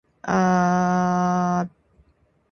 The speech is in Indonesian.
Udin dikerahkan untuk menempuh kubu-kubu pertahanan musuh